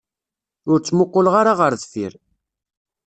Ur ttmuqquleɣ ara ɣer deffir.